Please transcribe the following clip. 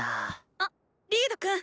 あっリードくん！